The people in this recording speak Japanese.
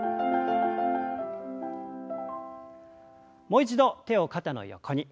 もう一度手を肩の横に。